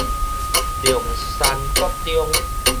龍山國中